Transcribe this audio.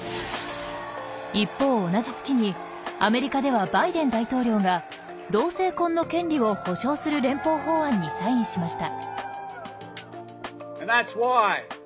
一方同じ月にアメリカではバイデン大統領が同性婚の権利を保障する連邦法案にサインしました。